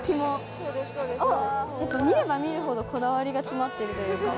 ・そうです・見れば見るほどこだわりが詰まってるというか。